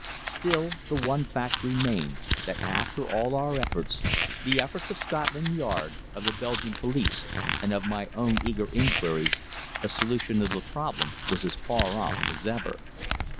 Still the one fact remained that, after all our efforts the efforts of Scotland Yard, of the Belgian police, and of my own eager inquiries a solution of the problem was as far off as ever.